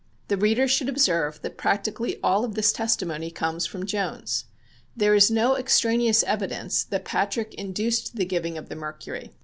The reader should observe that practically all of this testimony comes from Jones. There is no extraneous evidence that Patrick induced the giving of the mercury.